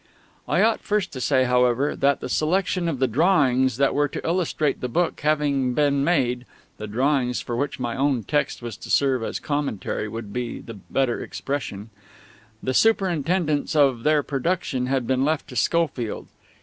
I ought first to say, however, that the selection of the drawings that were to illustrate the book having been made (the drawings for which my own text was to serve as commentary would be the better expression), the superintendence of their production had been left to Schofield.